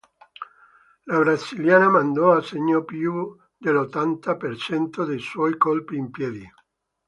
La brasiliana mandò a segno più dell'ottanta per cento dei suoi colpi in piedi.